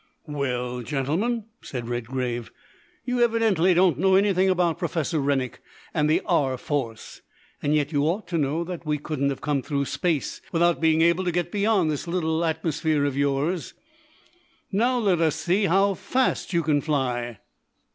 "Well, gentlemen," said Redgrave, "you evidently don't know anything about Professor Rennick and the R. Force; and yet you ought to know that we couldn't have come through Space without being able to get beyond this little atmosphere of yours. Now let us see how fast you can fly."